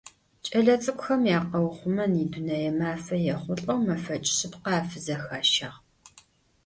Кӏэлэцӏыкӏухэм якъэухъумэн и Дунэе мафэ ехъулӏэу мэфэкӏ шъыпкъэ афызэхащагъ.